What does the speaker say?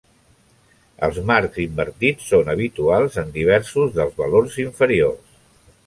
Els marcs invertits són habituals en diversos dels valors inferiors.